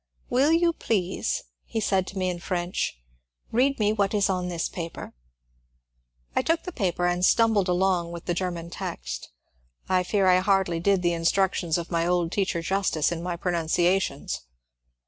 ^^ Will you please," he said to me in French, ^^ read me what is on this paper." I took the paper and stumbled along with the Grennan text I fear I hardly did the instructions of my old teacher justice in my pronunciations.